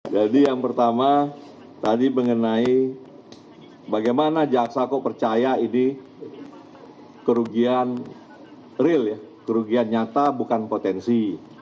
jadi yang pertama tadi mengenai bagaimana jaksa kok percaya ini kerugian real ya kerugian nyata bukan potensi